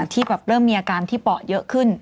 ที่แบบเริ่มมีอาการที่ปอดเยอะขึ้น